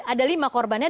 ada lima korbannya